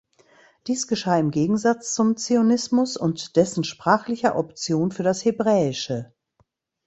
Dies geschah im Gegensatz zum Zionismus und dessen sprachlicher Option für das Hebräische.